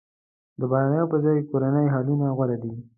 د بهرنیو پر ځای کورني حلونه غوره دي.